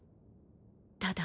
ただ。